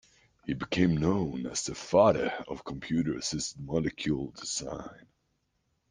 He became known as the 'father of computer-assisted molecule design.